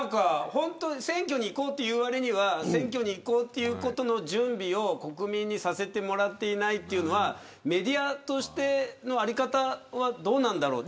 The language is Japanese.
選挙に行こうというわりには選挙に行こうという準備を国民にさせてもらっていないというのはメディアとしての在り方はどうなんだろう。